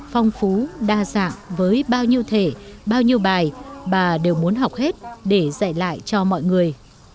phong phú đa dạng với bao nhiêu thể bao nhiêu bài bà đều muốn học hết để dạy lại cho mọi người